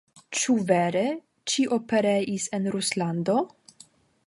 Ĉu vere, ĉio pereis en Ruslando?